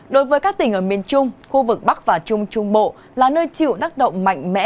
đối với các tỉnh ở miền trung khu vực bắc và trung trung bộ là nơi chịu tác động mạnh mẽ